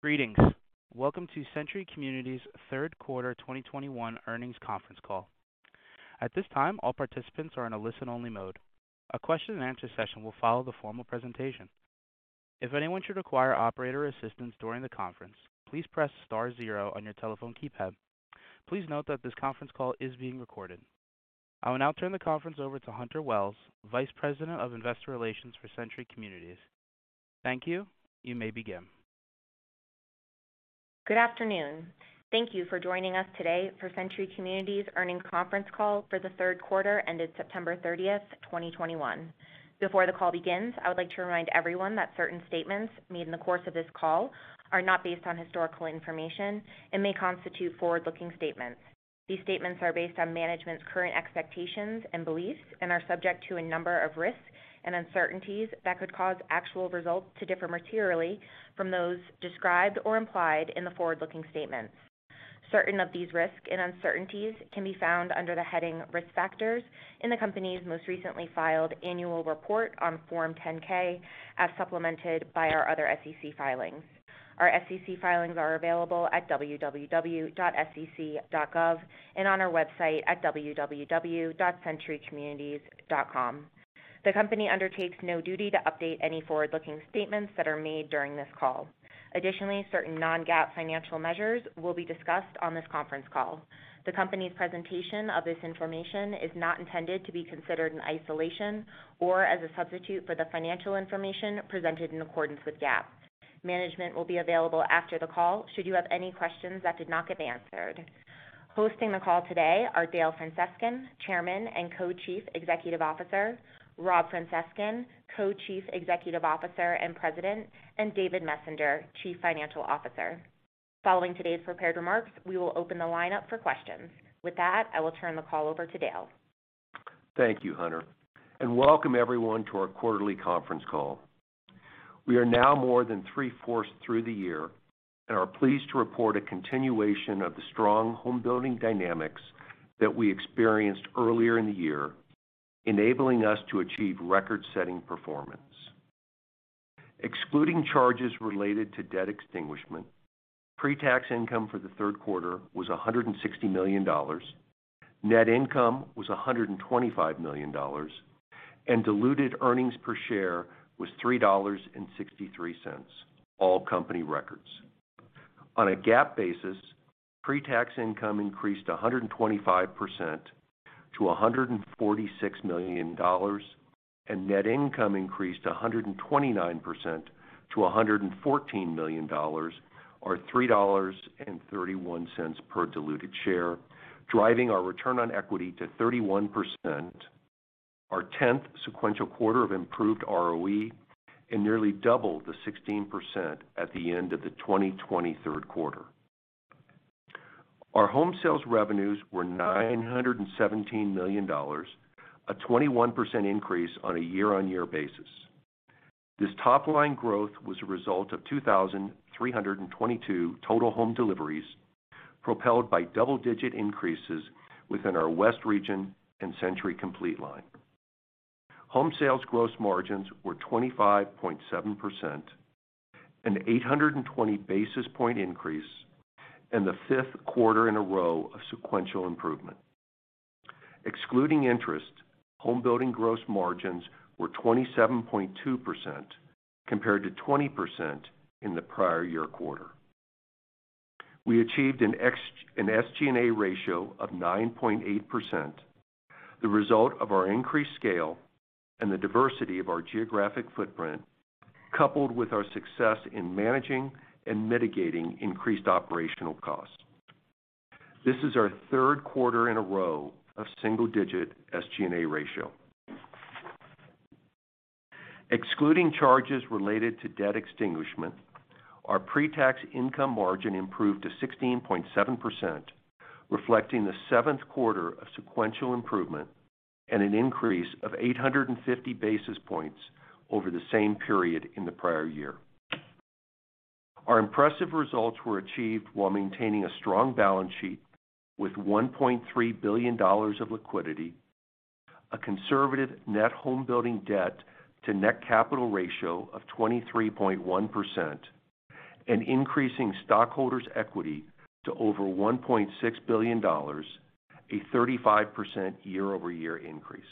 Greetings. Welcome to Century Communities third quarter 2021 earnings conference call. At this time, all participants are in a listen-only mode. A question-and-answer session will follow the formal presentation. If anyone should require operator assistance during the conference, please press star zero on your telephone keypad. Please note that this conference call is being recorded. I will now turn the conference over to Hunter Wells, Vice President of Investor Relations for Century Communities. Thank you. You may begin. Good afternoon. Thank you for joining us today for Century Communities earnings conference call for the third quarter ended September 30th 2021. Before the call begins, I would like to remind everyone that certain statements made in the course of this call are not based on historical information and may constitute forward-looking statements. These statements are based on management's current expectations and beliefs and are subject to a number of risks and uncertainties that could cause actual results to differ materially from those described or implied in the forward-looking statements. Certain of these risks and uncertainties can be found under the heading Risk Factors in the company's most recently filed annual report on Form 10-K as supplemented by our other SEC filings. Our SEC filings are available at www.sec.gov and on our website at www.centurycommunities.com. The company undertakes no duty to update any forward-looking statements that are made during this call. Additionally, certain non-GAAP financial measures will be discussed on this conference call. The company's presentation of this information is not intended to be considered in isolation or as a substitute for the financial information presented in accordance with GAAP. Management will be available after the call, should you have any questions that did not get answered. Hosting the call today are Dale Francescon, Chairman and Co-Chief Executive Officer, Rob Francescon, Co-Chief Executive Officer and President, and David Messenger, Chief Financial Officer. Following today's prepared remarks, we will open the lineup for questions. With that, I will turn the call over to Dale. Thank you, Hunter, and welcome everyone to our quarterly conference call. We are now more than 3/4 through the year and are pleased to report a continuation of the strong homebuilding dynamics that we experienced earlier in the year, enabling us to achieve record-setting performance. Excluding charges related to debt extinguishment, pre-tax income for the third quarter was $160 million. Net income was $125 million, and diluted earnings per share was $3.63, all company records. On a GAAP basis, pre-tax income increased 125% to $146 million, and net income increased 129% to $114 million, or $3.31 per diluted share, driving our return on equity to 31%, our 10th sequential quarter of improved ROE, and nearly double the 16% at the end of the 2020 third quarter. Our home sales revenues were $917 million, a 21% increase on a year-on-year basis. This top-line growth was a result of 2,322 total home deliveries, propelled by double-digit increases within our West region and Century Complete line. Home sales gross margins were 25.7%, an 820 basis point increase, and the fifth quarter in a row of sequential improvement. Excluding interest, home building gross margins were 27.2% compared to 20% in the prior year quarter. We achieved an SG&A ratio of 9.8%, the result of our increased scale and the diversity of our geographic footprint, coupled with our success in managing and mitigating increased operational costs. This is our third quarter in a row of single-digit SG&A ratio. Excluding charges related to debt extinguishment, our pre-tax income margin improved to 16.7%, reflecting the seventh quarter of sequential improvement and an increase of 850 basis points over the same period in the prior year. Our impressive results were achieved while maintaining a strong balance sheet, with $1.3 billion of liquidity, a conservative net home building debt to net capital ratio of 23.1%, and increasing stockholders' equity to over $1.6 billion, a 35% year-over-year increase.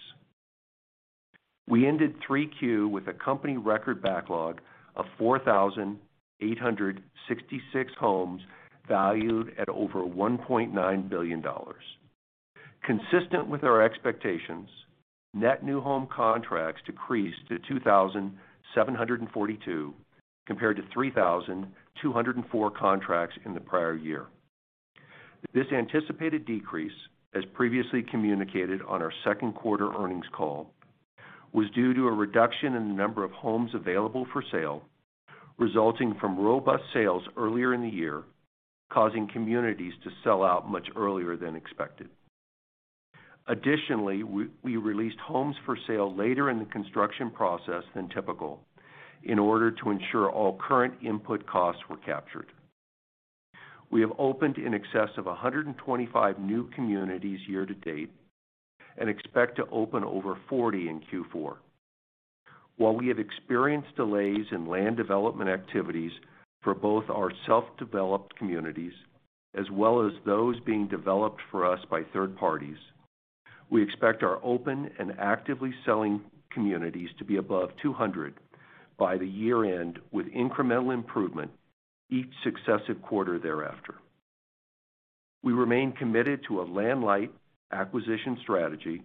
We ended 3Q with a company record backlog of 4,866 homes valued at over $1.9 billion. Consistent with our expectations, net new home contracts decreased to 2,742 compared to 3,204 contracts in the prior year. This anticipated decrease, as previously communicated on our second quarter earnings call, was due to a reduction in the number of homes available for sale resulting from robust sales earlier in the year, causing communities to sell out much earlier than expected. Additionally, we released homes for sale later in the construction process than typical in order to ensure all current input costs were captured. We have opened in excess of 125 new communities year to date and expect to open over 40 in Q4. While we have experienced delays in land development activities for both our self-developed communities as well as those being developed for us by third parties, we expect our open and actively selling communities to be above 200 by the year-end, with incremental improvement each successive quarter thereafter. We remain committed to a land-light acquisition strategy,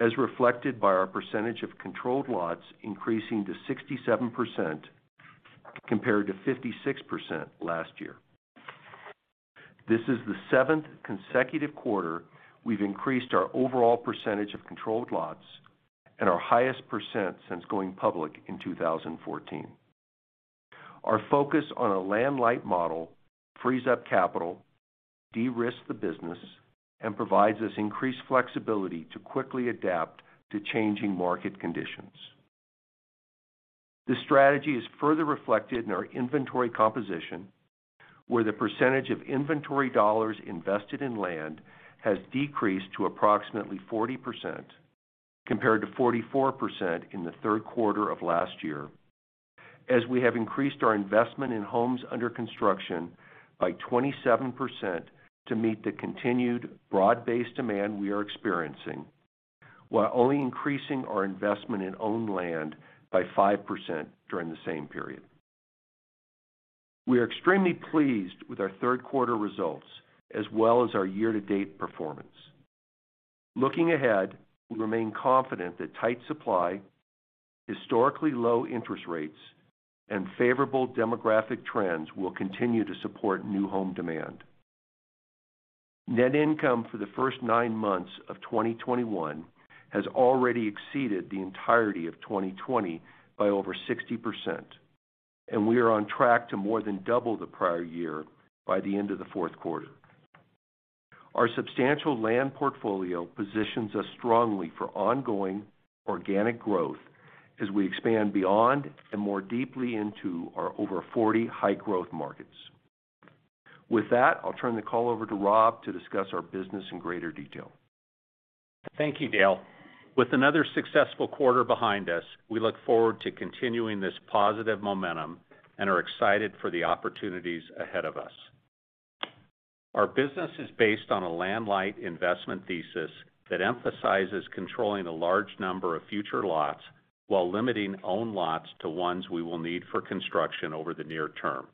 as reflected by our percentage of controlled lots increasing to 67% compared to 56% last year. This is the seventh consecutive quarter we've increased our overall percentage of controlled lots and our highest percent since going public in 2014. Our focus on a land-light model, frees up capital, de-risk the business, and provides us increased flexibility to quickly adapt to changing market conditions. The strategy is further reflected in our inventory composition, where the percentage of inventory dollars invested in land has decreased to approximately 40% compared to 44% in the third quarter of last year, as we have increased our investment in homes under construction by 27% to meet the continued broad-based demand we are experiencing, while only increasing our investment in owned land by 5% during the same period. We are extremely pleased with our third quarter results as well as our year-to-date performance. Looking ahead, we remain confident that tight supply, historically low interest rates, and favorable demographic trends will continue to support new home demand. Net income for the first nine months of 2021 has already exceeded the entirety of 2020 by over 60%, and we are on track to more than double the prior year by the end of the fourth quarter. Our substantial land portfolio positions us strongly for ongoing organic growth as we expand beyond and more deeply into our over 40 high-growth markets. With that, I'll turn the call over to Rob to discuss our business in greater detail. Thank you, Dale. With another successful quarter behind us, we look forward to continuing this positive momentum and are excited for the opportunities ahead of us. Our business is based on a land-light investment thesis that emphasizes controlling a large number of future lots while limiting owned lots to ones we will need for construction over the near term.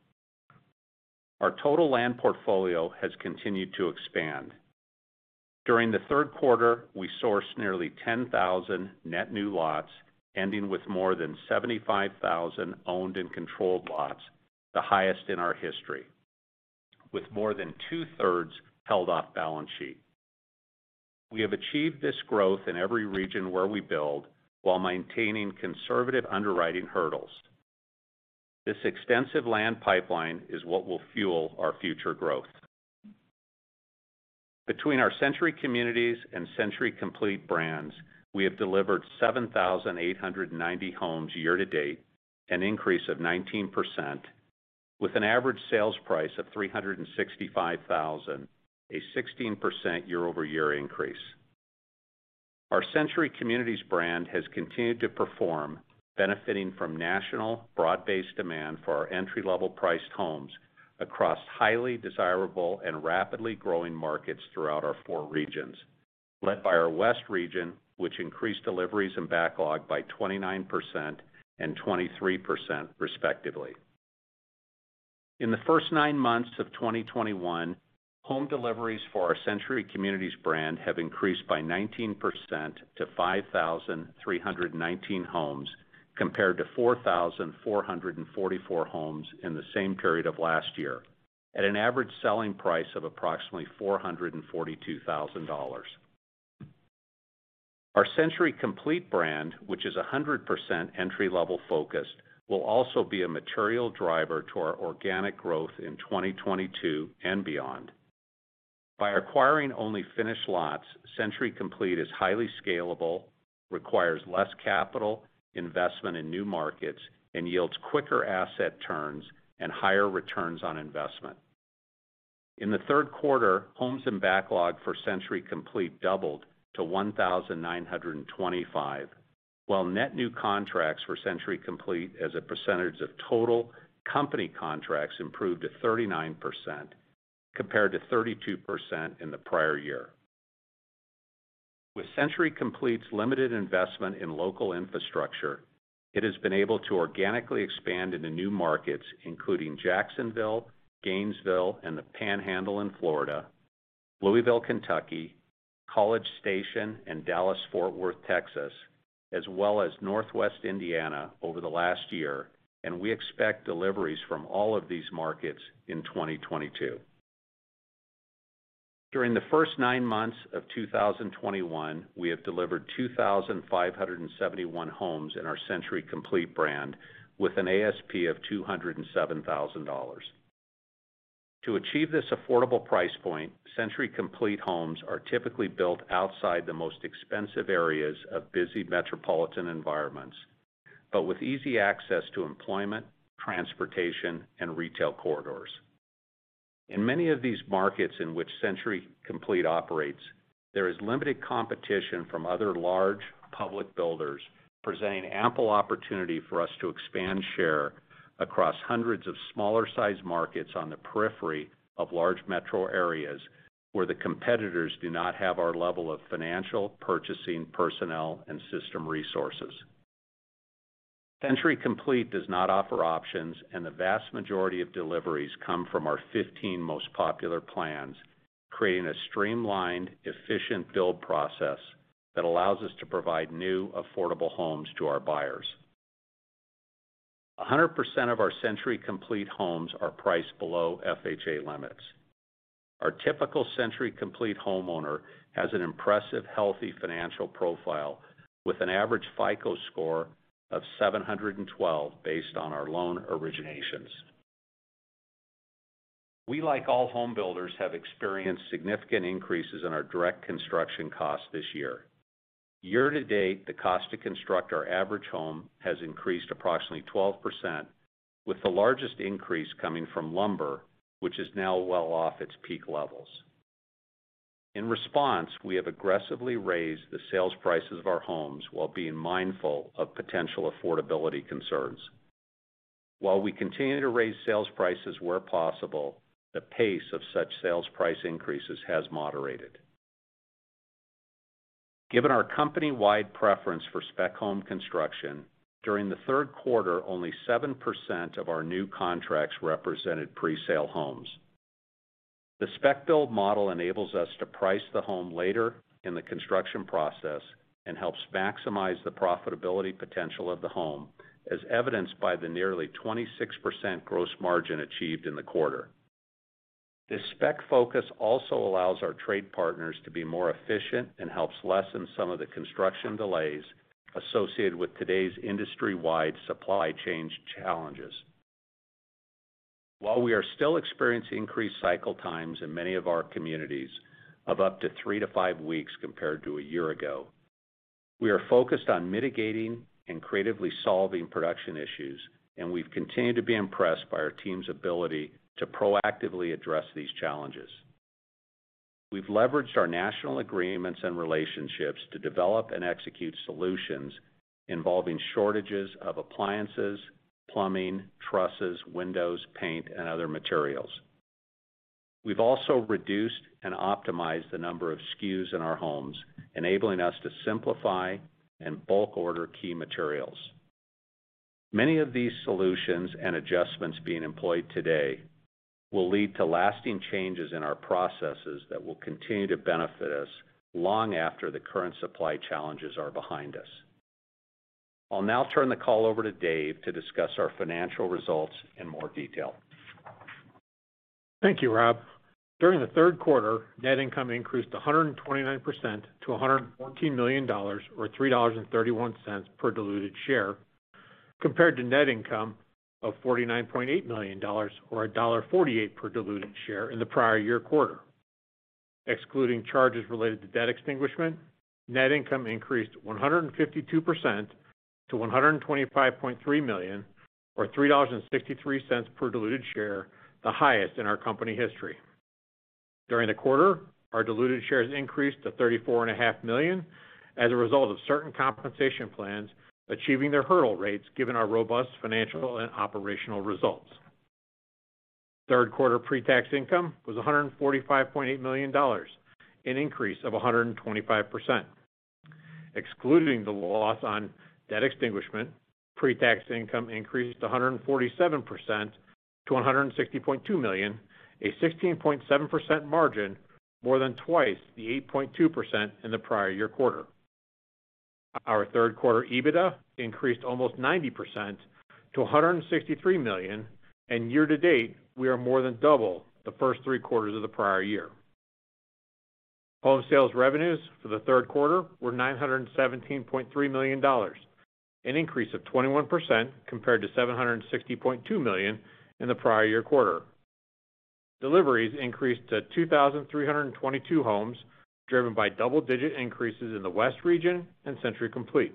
Our total land portfolio has continued to expand. During the third quarter, we sourced nearly 10,000 net new lots, ending with more than 75,000 owned and controlled lots, the highest in our history, with more than 2/3 held off balance sheet. We have achieved this growth in every region where we build while maintaining conservative underwriting hurdles. This extensive land pipeline is what will fuel our future growth. Between our Century Communities and Century Complete brands, we have delivered 7,890 homes year-to-date, an increase of 19%, with an average sales price of $365,000, a 16% year-over-year increase. Our Century Communities brand has continued to perform, benefiting from national broad-based demand for our entry-level priced homes across highly desirable and rapidly growing markets throughout our four regions, led by our West region, which increased deliveries and backlog by 29% and 23% respectively. In the first nine months of 2021, home deliveries for our Century Communities brand have increased by 19% to 5,319 homes, compared to 4,444 homes in the same period of last year, at an average selling price of approximately $442,000. Our Century Complete brand, which is 100% entry-level focused, will also be a material driver to our organic growth in 2022 and beyond. By acquiring only finished lots, Century Complete is highly scalable, requires less capital investment in new markets, and yields quicker asset turns and higher returns on investment. In the third quarter, homes and backlog for Century Complete doubled to 1,925, while net new contracts for Century Complete as a percentage of total company contracts improved to 39%, compared to 32% in the prior year. With Century Complete's limited investment in local infrastructure, it has been able to organically expand into new markets, including Jacksonville, Gainesville, and the Panhandle in Florida, Louisville, Kentucky, College Station, and Dallas-Fort Worth, Texas, as well as Northwest Indiana over the last year, and we expect deliveries from all of these markets in 2022. During the first nine months of 2021, we have delivered 2,571 homes in our Century Complete brand with an ASP of $207,000. To achieve this affordable price point, Century Complete homes are typically built outside the most expensive areas of busy metropolitan environments, but with easy access to employment, transportation, and retail corridors. In many of these markets in which Century Complete operates, there is limited competition from other large public builders, presenting ample opportunity for us to expand share across hundreds of smaller-sized markets on the periphery of large metro areas where the competitors do not have our level of financial, purchasing personnel, and system resources. Century Complete does not offer options, and the vast majority of deliveries come from our 15 most popular plans, creating a streamlined, efficient build process that allows us to provide new, affordable homes to our buyers. 100% of our Century Complete homes are priced below FHA limits. Our typical Century Complete homeowner has an impressive healthy financial profile with an average FICO score of 712 based on our loan originations. We, like all homebuilders, have experienced significant increases in our direct construction costs this year. Year-to-date, the cost to construct our average home has increased approximately 12%, with the largest increase coming from lumber, which is now well off its peak levels. In response, we have aggressively raised the sales prices of our homes while being mindful of potential affordability concerns. While we continue to raise sales prices where possible, the pace of such sales price increases has moderated. Given our company-wide preference for spec home construction, during the third quarter, only 7% of our new contracts represented presale homes. The spec build model enables us to price the home later in the construction process and helps maximize the profitability potential of the home, as evidenced by the nearly 26% gross margin achieved in the quarter. This spec focus also allows our trade partners to be more efficient and helps lessen some of the construction delays associated with today's industry-wide supply chain challenges. While we are still experiencing increased cycle times in many of our communities of up to three to five weeks compared to a year ago, we are focused on mitigating and creatively solving production issues, and we've continued to be impressed by our team's ability to proactively address these challenges. We've leveraged our national agreements and relationships to develop and execute solutions involving shortages of appliances, plumbing, trusses, windows, paint, and other materials. We've also reduced and optimized the number of SKUs in our homes, enabling us to simplify and bulk order key materials. Many of these solutions and adjustments being employed today will lead to lasting changes in our processes that will continue to benefit us long after the current supply challenges are behind us. I'll now turn the call over to Dave to discuss our financial results in more detail. Thank you, Rob. During the third quarter, net income increased 129% to $114 million or $3.31 per diluted share, compared to net income of $49.8 million or $1.48 per diluted share in the prior year quarter. Excluding charges related to debt extinguishment, net income increased 152% to $125.3 million or $3.63 per diluted share, the highest in our company history. During the quarter, our diluted shares increased to 34.5 million as a result of certain compensation plans achieving their hurdle rates given our robust financial and operational results. Third quarter pre-tax income was $145.8 million, an increase of 125%. Excluding the loss on debt extinguishment, pre-tax income increased 147% to $160.2 million, a 16.7% margin, more than twice the 8.2% in the prior year quarter. Our third quarter EBITDA increased almost 90% to $163 million, and year-to-date, we are more than double the first three quarters of the prior year. Home sales revenues for the third quarter were $917.3 million, an increase of 21% compared to $760.2 million in the prior year quarter. Deliveries increased to 2,322 homes, driven by double-digit increases in the West region and Century Complete.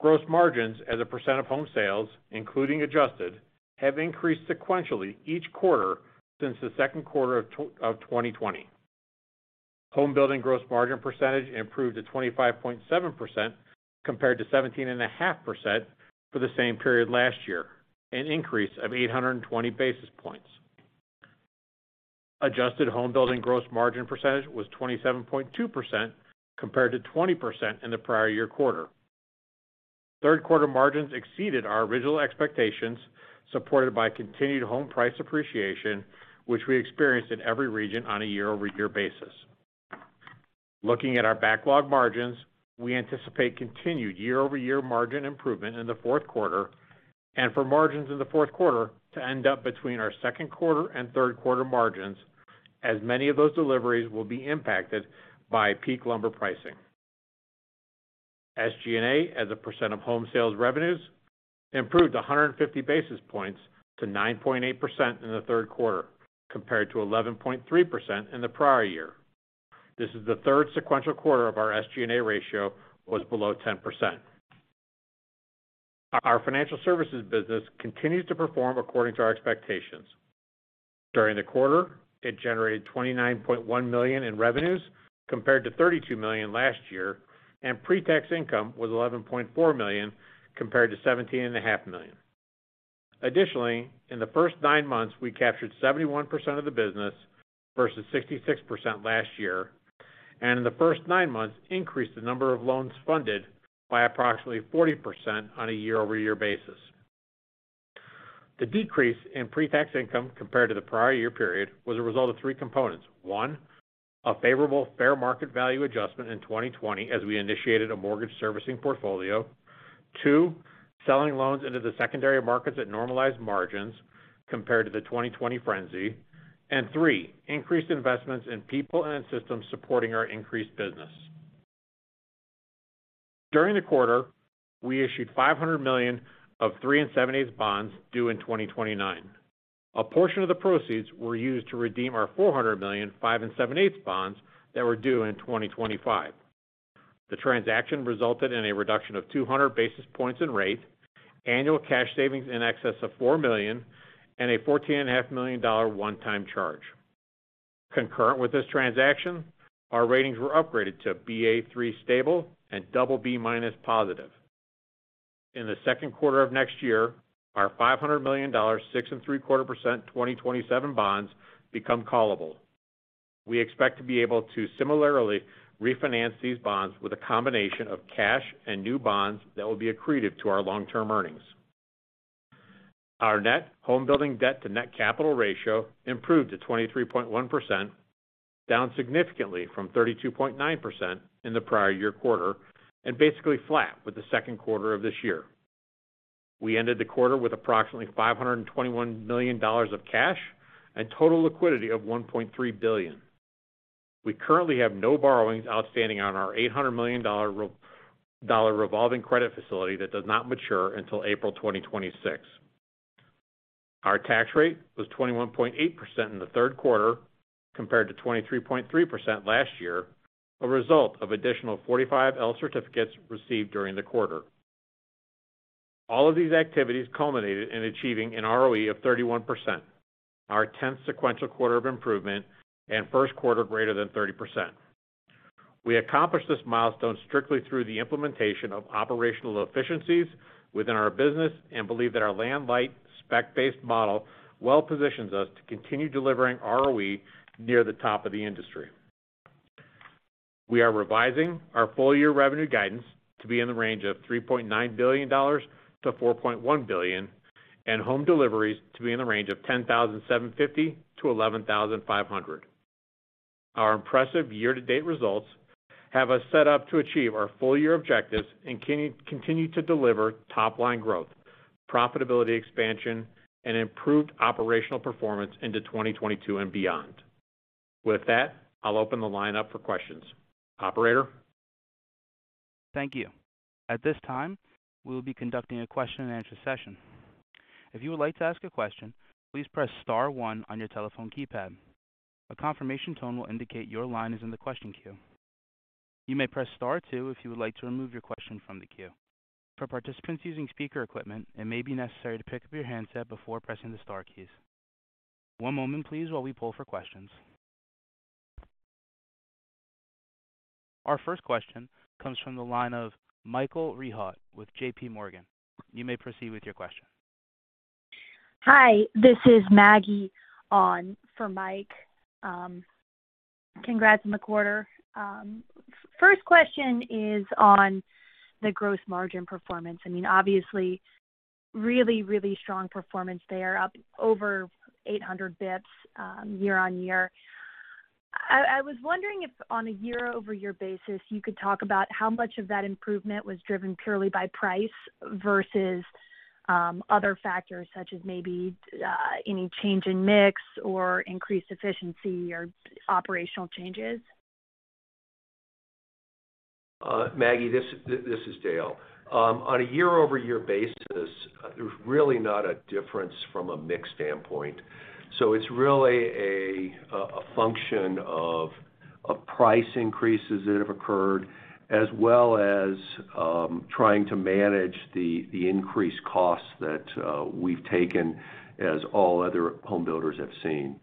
Gross margins as a percent of home sales, including adjusted, have increased sequentially each quarter since the second quarter of 2020. Home building gross margin percentage improved to 25.7% compared to 17.5% for the same period last year, an increase of 820 basis points. Adjusted home building gross margin percentage was 27.2% compared to 20% in the prior year quarter. Third quarter margins exceeded our original expectations, supported by continued home price appreciation, which we experienced in every region on a year-over-year basis. Looking at our backlog margins, we anticipate continued year-over-year margin improvement in the fourth quarter, and for margins in the fourth quarter to end up between our second quarter and third quarter margins as many of those deliveries will be impacted by peak lumber pricing. SG&A, as a percent of home sales revenues, improved 150 basis points to 9.8% in the third quarter, compared to 11.3% in the prior year. This is the third sequential quarter of our SG&A ratio was below 10%. Our financial services business continues to perform according to our expectations. During the quarter, it generated $29.1 million in revenues compared to $32 million last year, and pre-tax income was $11.4 million compared to $17.5 million. Additionally, in the first nine months, we captured 71% of the business versus 66% last year, and in the first nine months, increased the number of loans funded by approximately 40% on a year-over-year basis. The decrease in pre-tax income compared to the prior year period was a result of three components. One, a favorable fair market value adjustment in 2020 as we initiated a mortgage servicing portfolio, two, selling loans into the secondary markets at normalized margins compared to the 2020 frenzy; and three, increased investments in people and in systems supporting our increased business. During the quarter, we issued $500 million of 3 7/8 bonds due in 2029. A portion of the proceeds were used to redeem our $400 million, 5 7/8 bonds that were due in 2025. The transaction resulted in a reduction of 200 basis points in rate, annual cash savings in excess of $4 million, and a $14.5 million one-time charge. Concurrent with this transaction, our ratings were upgraded to Ba3 stable and BB- positive. In the second quarter of next year, our $500 million, 6.75% 2027 bonds become callable. We expect to be able to similarly refinance these bonds with a combination of cash and new bonds that will be accretive to our long-term earnings. Our net homebuilding debt to net capital ratio improved to 23.1%, down significantly from 32.9% in the prior year quarter, and basically flat with the second quarter of this year. We ended the quarter with approximately $521 million of cash and total liquidity of $1.3 billion. We currently have no borrowings outstanding on our $800 million revolving credit facility that does not mature until April 2026. Our tax rate was 21.8% in the third quarter compared to 23.3% last year, a result of additional 45L certificates received during the quarter. All of these activities culminated in achieving an ROE of 31%, our 10th sequential quarter of improvement and first quarter greater than 30%. We accomplished this milestone strictly through the implementation of operational efficiencies within our business and believe that our land-light, spec-based model well positions us to continue delivering ROE near the top of the industry. We are revising our full-year revenue guidance to be in the range of $3.9 billion-$4.1 billion and home deliveries to be in the range of 10,750-11,500. Our impressive year-to-date results have us set up to achieve our full-year objectives and continue to deliver top line growth, profitability expansion, and improved operational performance into 2022 and beyond. With that, I'll open the line up for questions. Operator? Thank you. At this time, we will be conducting a question-and-answer session. If you would like to ask a question, please press star one on your telephone keypad. A confirmation tone will indicate your line is in the question queue. You may press star two if you would like to remove your question from the queue. For participants using speaker equipment, it may be necessary to pick up your handset before pressing the star keys. One moment please while we pull for questions. Our first question comes from the line of Michael Rehaut with J.P. Morgan. You may proceed with your question. Hi, this is Maggie on for Mike. Congrats on the quarter. First question is on the gross margin performance. I mean, obviously, really, really strong performance there, up over 800 bps, year-over-year. I was wondering if on a year-over-year basis you could talk about how much of that improvement was driven purely by price versus other factors such as maybe, any change in mix or increased efficiency or operational changes? Maggie, this is Dale. On a year-over-year basis, there's really not a difference from a mix standpoint. It's really a function of price increases that have occurred, as well as trying to manage the increased costs that we've taken as all other home builders have seen.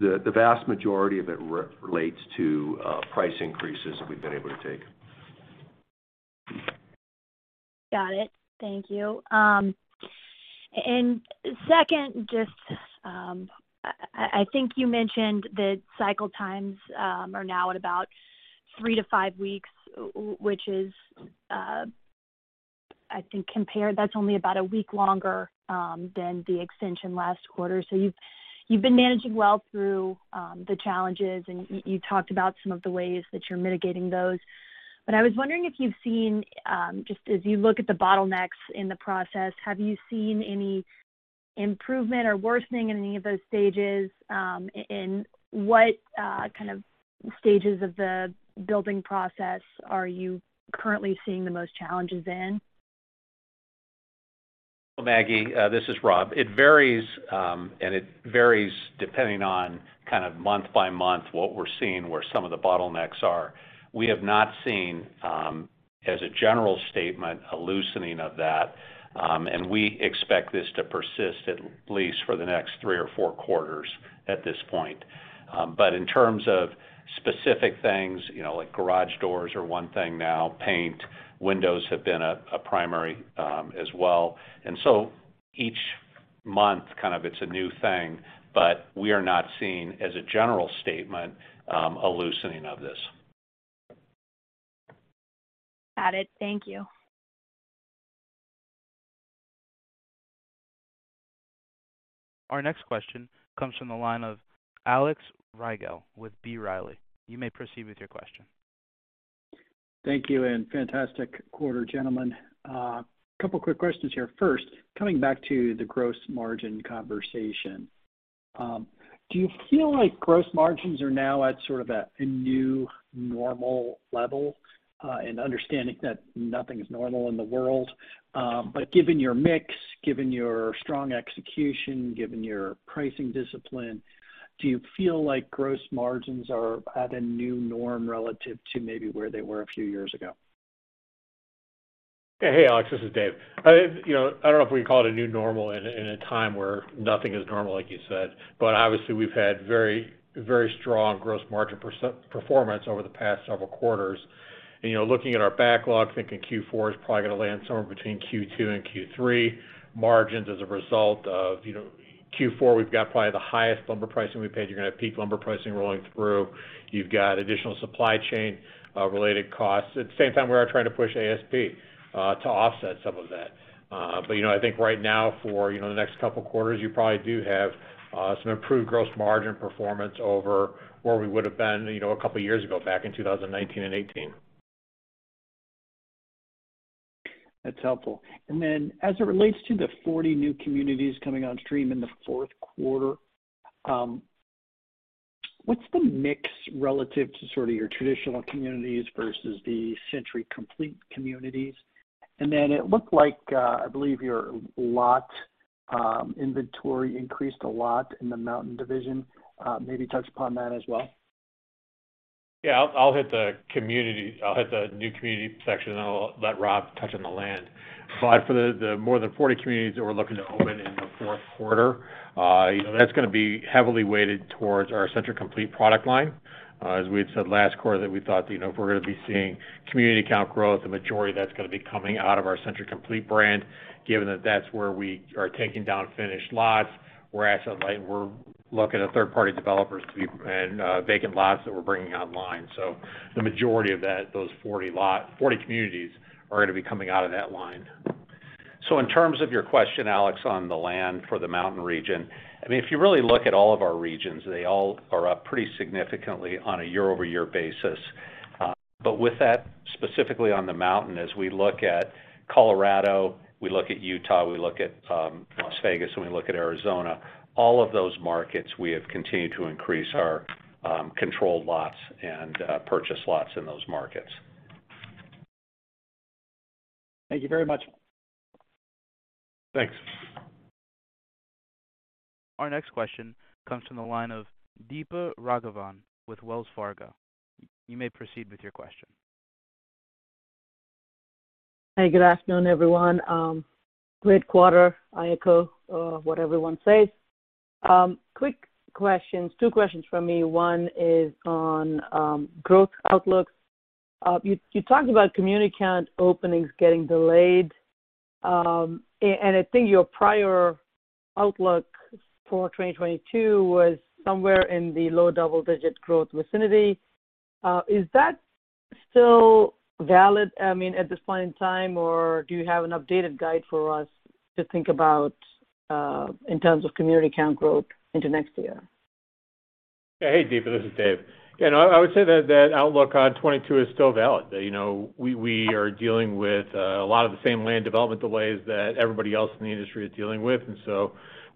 The vast majority of it relates to price increases that we've been able to take. Got it. Thank you. Second, just, I think you mentioned that cycle times are now at about three to five weeks, which is, I think compared-- that's only about a week longer than the extension last quarter. You've been managing well through the challenges, and you talked about some of the ways that you're mitigating those. I was wondering if you've seen, just as you look at the bottlenecks in the process, have you seen any improvement or worsening in any of those stages? And what kind of stages of the building process are you currently seeing the most challenges in? Maggie, this is Rob. It varies depending on kind of month by month what we're seeing where some of the bottlenecks are. We have not seen, as a general statement, a loosening of that, and we expect this to persist at least for the next three or four quarters at this point. In terms of specific things. like garage doors are one thing now, paint, windows have been a primary, as well. Each month, kind of it's a new thing, but we are not seeing, as a general statement, a loosening of this. Got it. Thank you. Our next question comes from the line of Alex Rygiel with B. Riley. You may proceed with your question. Thank you and fantastic quarter, gentlemen. A couple quick questions here. First, coming back to the gross margin conversation. Do you feel like gross margins are now at sort of a new normal level? Understanding that nothing is normal in the world, but given your mix, given your strong execution, given your pricing discipline, do you feel like gross margins are at a new norm relative to maybe where they were a few years ago? Hey, Alex, this is Dave. I don't know if we can call it a new normal in a time where nothing is normal, like you said, but obviously we've had very, very strong gross margin performance over the past several quarters. Looking at our backlog, thinking Q4 is probably going to land somewhere between Q2 and Q3. Margins as a result of Q4, we've got probably the highest lumber pricing we paid. You're going to have peak lumber pricing rolling through. You've got additional supply chain related costs. At the same time, we are trying to push ASP to offset some of that. I think right now for you know the next couple quarters, you probably do have some improved gross margin performance over where we would've been a couple years ago back in 2019 and 2018. That's helpful. Then as it relates to the 40 new communities coming on stream in the fourth quarter, what's the mix relative to sort of your traditional communities versus the Century Complete communities? Then it looked like, I believe your lot inventory increased a lot in the Mountain division. Maybe touch upon that as well. Yes, I'll hit the community. I'll hit the new community section, and I'll let Rob touch on the land. But for the more than 40 communities that we're looking to open in the fourth quarter. that's going to be heavily weighted towards our Century Complete product line. As we had said last quarter that we thought. if we're going to be seeing community count growth, the majority that's going to be coming out of our Century Complete brand, given that that's where we are taking down finished lots. We're asset-light, we're looking at third-party developers and vacant lots that we're bringing online. So, the majority of that, those 40 communities are going to be coming out of that line. In terms of your question, Alex, on the land for the mountain region, if you really look at all of our regions, they all are up pretty significantly on a year-over-year basis. With that, specifically on the Mountain, as we look at Colorado, we look at Utah, we look at Las Vegas, and we look at Arizona, all of those markets we have continued to increase our controlled lots and purchase lots in those markets. Thank you very much. Thanks. Our next question comes from the line of Deepa Raghavan with Wells Fargo. You may proceed with your question. Hi. Good afternoon, everyone. Great quarter. I echo what everyone says. Quick questions. Two questions from me. One is on growth outlook. You talked about community count openings getting delayed, and I think your prior outlook for 2022 was somewhere in the low double-digit growth vicinity. Is that still valid? At this point in time, or do you have an updated guide for us to think about in terms of community count growth into next year? Hey, Deepa. This is Dave. I would say that outlook in 2022 is still valid. We are dealing with a lot of the same land development delays that everybody else in the industry is dealing with.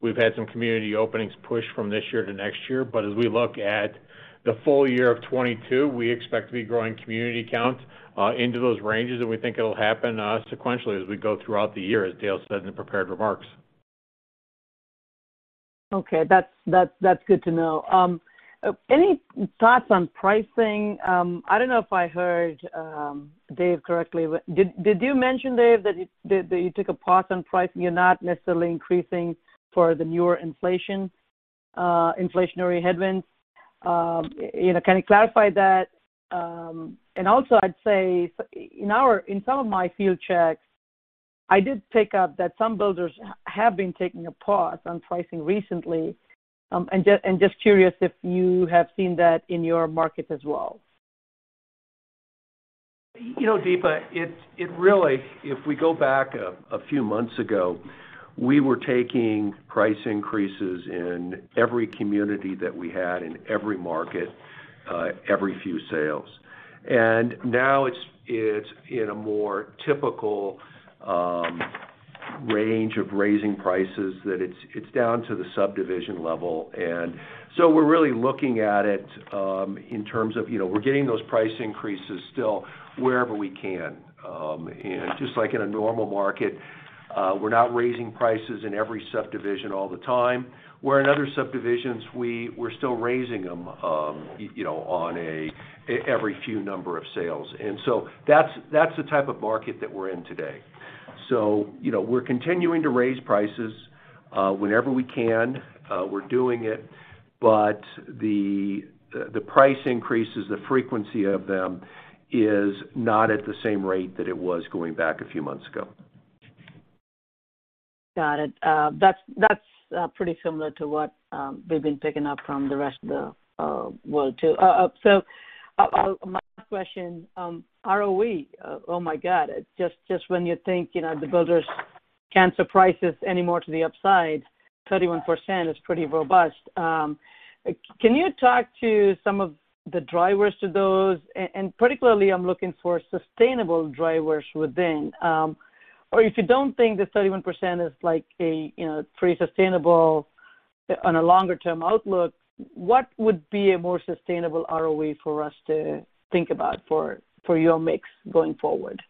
We've had some community openings push from this year to next year. As we look at the full year of 2022, we expect to be growing community count into those ranges, and we think it'll happen sequentially as we go throughout the year, as Dale said in the prepared remarks. Okay. That's good to know. Any thoughts on pricing? I don't know if I heard Dave correctly. Did you mention, Dave, that you took a pause on pricing? You're not necessarily increasing for the newer inflation, inflationary headwinds. Can you clarify that? And also, I'd say, in some of my field checks, I did pick up that some builders have been taking a pause on pricing recently. And just curious, if you have seen that in your markets as well? Deepa, it really if we go back a few months ago, we were taking price increases in every community that we had in every market every few sales. Now, it's in a more typical range of raising prices that's down to the subdivision level. We're really looking at it in terms of. we're getting those price increases still wherever we can. Just like in a normal market, we're not raising prices in every subdivision all the time, were in other subdivisions, we're still raising them on every few sales. That's the type of market that we're in today. We're continuing to raise prices. Whenever we can, we're doing it, but the price increases, the frequency of them is not at the same rate that it was going back a few months ago. Got it. That's pretty similar to what we've been picking up from the rest of the world too. My question, ROE, oh my God, just when you think. the builders can't surprise us any more to the upside, 31% is pretty robust. Can you talk to some of the drivers to those? Particularly I'm looking for sustainable drivers within? Or if you don't think that 31% is like a pretty sustainable on a longer-term outlook, what would be a more sustainable ROE for us to think about for your mix going forward?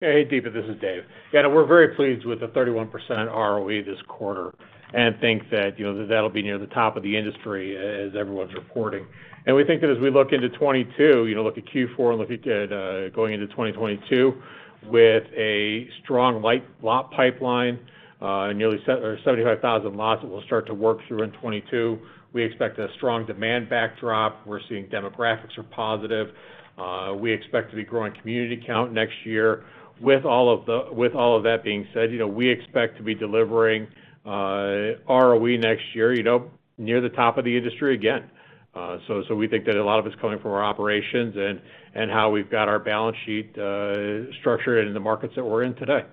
Hey, Deepa, this is Dave. Yes, we're very pleased with the 31% ROE this quarter and think that that'll be near the top of the industry as everyone's reporting. We think that as we look into 2022, look at Q4 and look at going into 2022 with a strong lot pipeline, nearly 75,000 lots that we'll start to work through in 2022. We expect a strong demand backdrop. We're seeing demographics are positive. We expect to be growing community count next year. With all of that being said, we expect to be delivering ROE next year near the top of the industry again. We think that a lot of it's coming from our operations and how we've got our balance sheet structured in the markets that we're in today.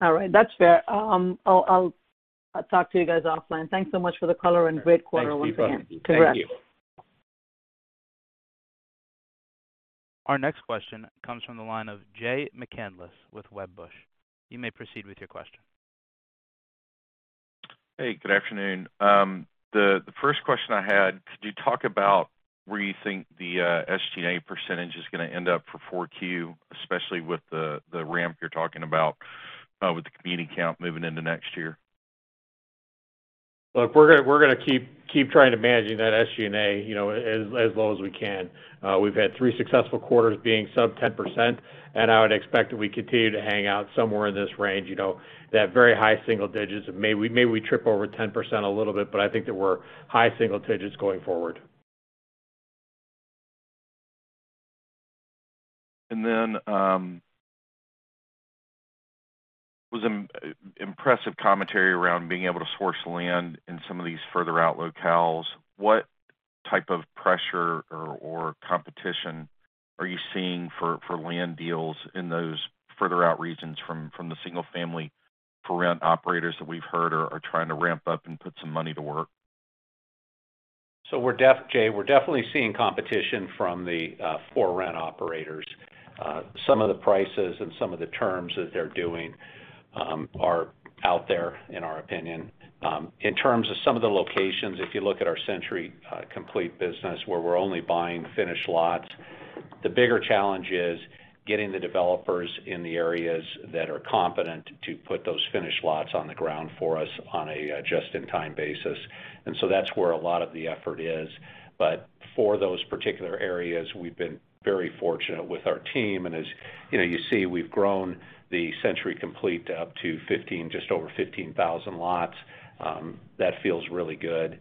All right, that's fair. I'll talk to you guys offline. Thanks so much for the color and great quarter once again. Thanks, Deepa. Congrats. Thank you. Our next question comes from the line of Jay McCanless with Wedbush Securities. You may proceed with your question. Hey, good afternoon. The first question I had, could you talk about where you think the SG&A percentage is going to end up for 4Q, especially with the ramp you're talking about with the community count moving into next year? Look, we're going to keep trying to manage that SG&A. as low as we can. We've had three successful quarters being sub 10%, and I would expect that we continue to hang out somewhere in this range. that very high single-digits. Maybe we trip over 10% a little bit, but I think that we're high single digits going forward. It was an impressive commentary around being able to source land in some of these further out locales. What type of pressure or competition are you seeing for land deals in those further out regions from the single-family for rent operators that we've heard are trying to ramp up and put some money to work? Jay, we're definitely seeing competition from the for rent operators. Some of the prices and some of the terms that they're doing are out there in our opinion. In terms of some of the locations, if you look at our Century Complete business, where we're only buying finished lots, the bigger challenge is getting the developers in the areas that are competent to put those finished lots on the ground for us on a just-in-time basis. That's where a lot of the effort is. For those particular areas, we've been very fortunate with our team. As you see, we've grown the Century Complete up to 15, just over 15,000 lots. That feels really good.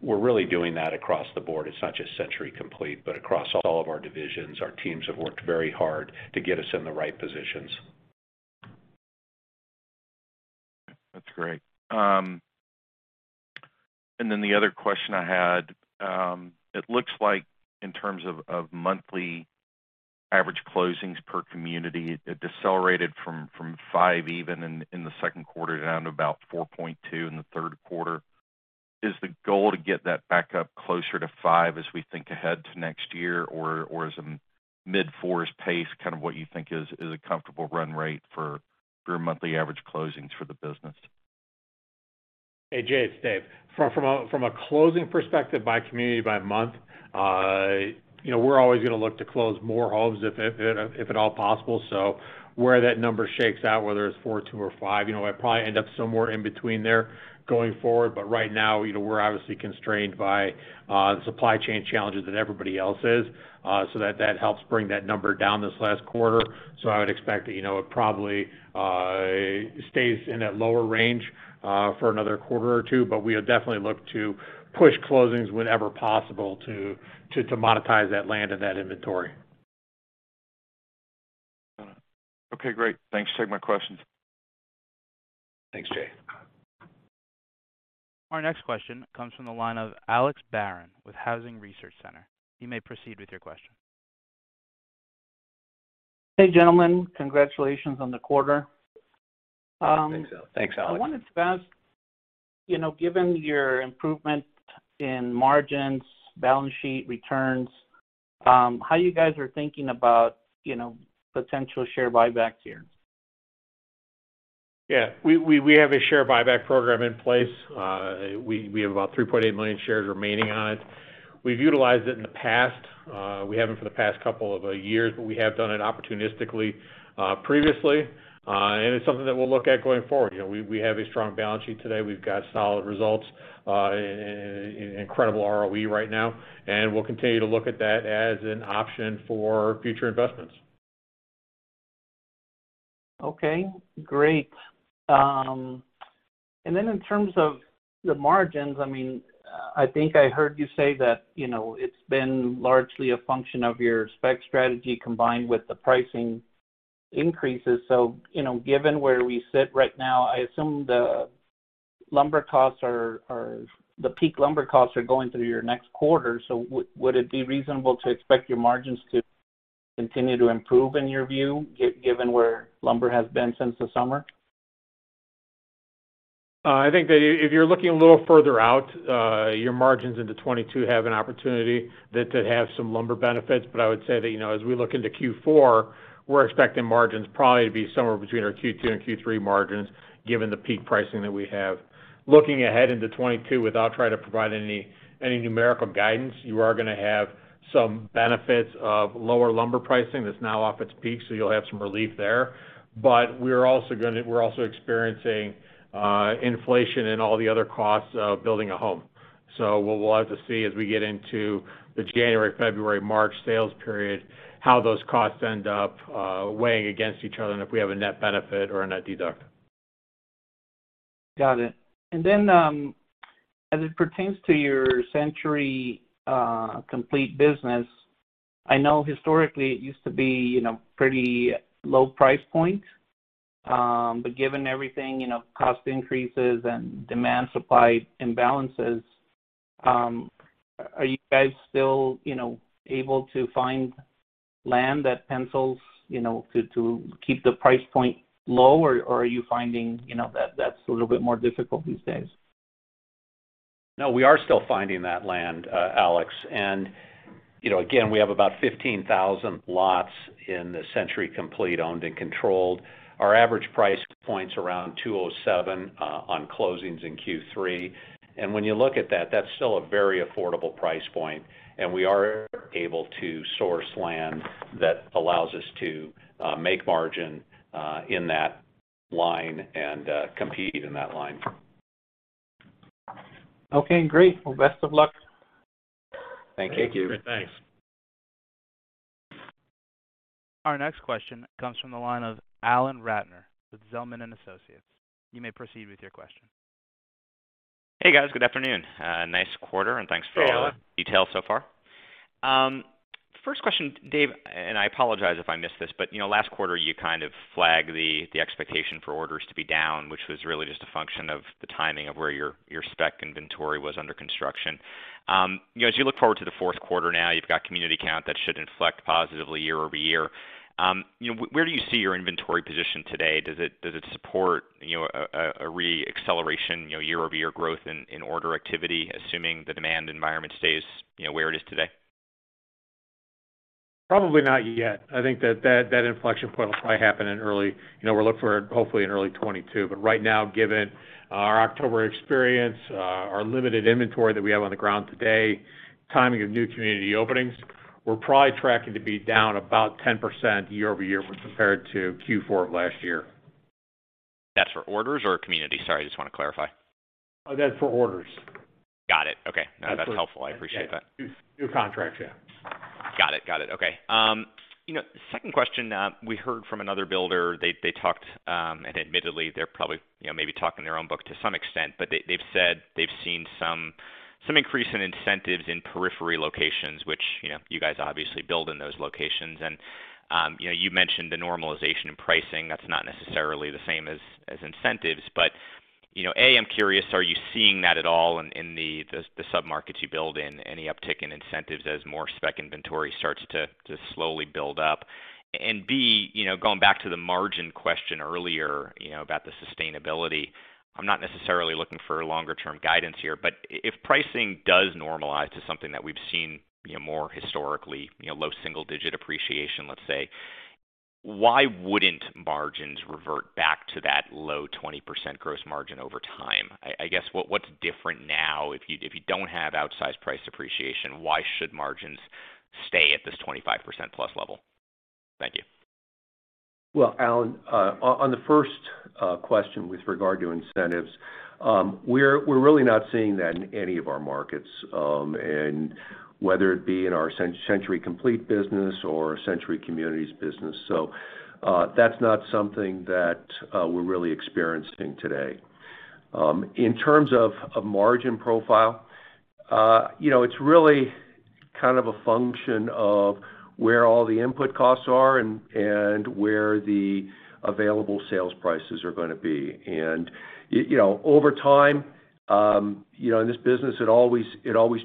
We're really doing that across the board. It's not just Century Complete, but across all of our divisions. Our teams have worked very hard to get us in the right positions. That's great. The other question I had, it looks like in terms of monthly average closings per community, it decelerated from 5% even in the second quarter down to about 4.2% in the third quarter. Is the goal to get that back up closer to 5% as we think ahead to next year? Or is a mid-4s pace kind of what you think is a comfortable run rate for your monthly average closings for the business? Hey, Jay, it's Dave. From a closing perspective by community by month, we're always going to look to close more homes if at all possible. So, where that number shakes out, whether it's 4.2%, or 5%. I probably end up somewhere in between there going forward. But right now. we're obviously constrained by the supply chain challenges that everybody else is. So that helps bring that number down this last quarter. I would expect that. it probably stays in that lower range for another quarter or two, but we definitely look to push closings whenever possible to monetize that land and that inventory. Got it. Okay, great. Thanks for taking my questions. Thanks, Jay. Our next question comes from the line of Alex Barron with Housing Research Center. You may proceed with your question. Hey, gentlemen. Congratulations on the quarter. Thanks, Alex. Thanks, Alex. I wanted to ask given your improvement in margins, balance sheet returns, how you guys are thinking about potential share buybacks here? Yes. We have a share buyback program in place. We have about 3.8 million shares remaining on it. We've utilized it in the past. We haven't for the past couple of years, but we have done it opportunistically previously. It's something that we'll look at going forward. We have a strong balance sheet today. We've got solid results and incredible ROE right now. We'll continue to look at that as an option for future investments. Okay, great. In terms of the margins, I think I heard you say that, it's been largely a function of your spec strategy combined with the pricing increases. Given where we sit right now, I assume the peak lumber costs are going through your next quarter, would it be reasonable to expect your margins to continue to improve in your view, given where lumber has been since the summer? I think that if you're looking a little further out, your margins into 2022 have an opportunity that they'd have some lumber benefits. But I would say that. as we look into Q4, we're expecting margins probably to be somewhere between our Q2 and Q3 margins, given the peak pricing that we have. Looking ahead into 2022, without trying to provide any numerical guidance, you are going to have some benefits of lower lumber pricing that's now off its peak, so you'll have some relief there. But we're also experiencing inflation in all the other costs of building a home. So, what we'll have to see as we get into the January-February-March sales period, how those costs end up weighing against each other and if we have a net benefit or a net deduct. Got it. As it pertains to your Century Complete business, I know historically it used to be. pretty low-price points. Given everything cost increases and demand supply imbalances, are you guys still able to find land that pencils to keep the price point low or are you finding that's a little bit more difficult these days? No, we are still finding that land, Alex. Again, we have about 15,000 lots in the Century Complete owned and controlled. Our average price point is around $207,000 on closings in Q3. When you look at that's still a very affordable price point, and we are able to source land that allows us to make margin in that line and compete in that line. Okay, great. Well, best of luck. Thank you. Thank you. Great. Thanks. Our next question comes from the line of Alan Ratner with Zelman & Associates. You may proceed with your question. Hey, guys. Good afternoon. Nice quarter, and thanks for- Hey, Alan. All the details so far. First question, Dave, and I apologize if I missed this, but last quarter you kind of flagged the expectation for orders to be down, which was really just a function of the timing of where your spec inventory was under construction. As you look forward to the fourth quarter now, you've got community count that should inflect positively year-over-year. where do you see your inventory position today? Does it support a re-acceleration. year-over-year growth in order activity, assuming the demand environment stays where it is today? Probably not yet. I think that inflection point will probably happen in early. we're looking for it hopefully in early 2022. Right now, given our October experience, our limited inventory that we have on the ground today, timing of new community openings, we're probably tracking to be down about 10% year-over-year when compared to Q4 of last year. That's for orders or communities? Sorry, I just want to clarify. That's for orders. Got it. Okay. That's- That's helpful. I appreciate that. New contracts, yes. Got it. Okay. Second question, we heard from another builder. They talked, and admittedly, they're probably maybe talking their own book to some extent, but they have said they have seen some increase in incentives in periphery locations, which you guys obviously build in those locations. You mentioned the normalization in pricing. That's not necessarily the same as incentives. But A, I'm curious, are you seeing that at all in the sub-markets you build in, any uptick in incentives as more spec inventory starts to slowly build up? And B, going back to the margin question earlier about the sustainability, I'm not necessarily looking for longer term guidance here, but if pricing does normalize to something that we've seen. more historically. low single digit appreciation, let's say, why wouldn't margins revert back to that low 20% gross margin over time? I guess what's different now if you don't have outsized price appreciation, why should margins stay at this 25%+ level? Thank you. Well, Alan, on the first question with regard to incentives, we're really not seeing that in any of our markets, and whether it be in our Century Complete business or Century Communities business. That's not something that we're really experiencing today. In terms of a margin profile, it's really kind of a function of where all the input costs are and where the available sales prices are going to be. Over time, in this business it always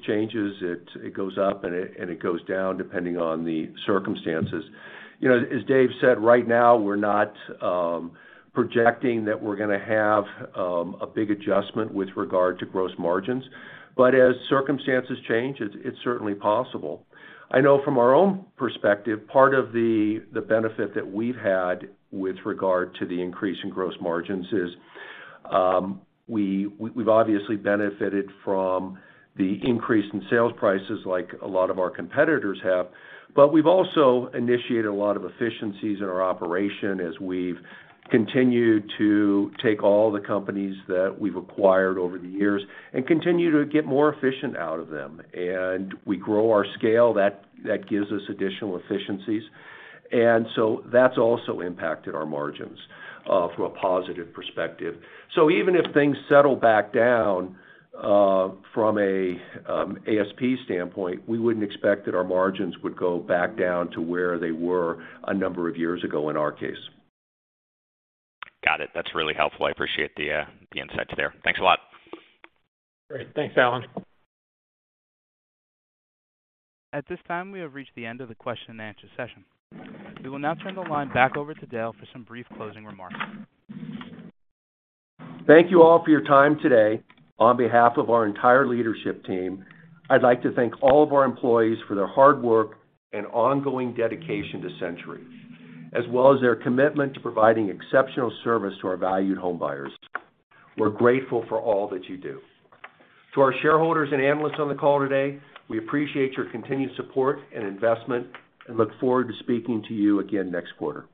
changes. It goes up and it goes down depending on the circumstances. As Dave said, right now we're not projecting that we're going to have a big adjustment with regard to gross margins. As circumstances change, it's certainly possible. I know from our own perspective, part of the benefit that we've had with regard to the increase in gross margins is, we've obviously benefited from the increase in sales prices like a lot of our competitors have. We've also initiated a lot of efficiencies in our operation as we've continued to take all the companies that we've acquired over the years and continue to get more efficient out of them. We grow our scale, that gives us additional efficiencies. That's also impacted our margins from a positive perspective. Even if things settle back down from an ASP standpoint, we wouldn't expect that our margins would go back down to where they were a number of years ago in our case. Got it. That's really helpful. I appreciate the insights there. Thanks a lot. Great. Thanks, Alan. At this time, we have reached the end of the question-and-answer session. We will now turn the line back over to Dale for some brief closing remarks. Thank you all for your time today. On behalf of our entire leadership team, I'd like to thank all of our employees for their hard work and ongoing dedication to Century, as well as their commitment to providing exceptional service to our valued homebuyers. We're grateful for all that you do. To our shareholders and analysts on the call today, we appreciate your continued support and investment and look forward to speaking to you again next quarter.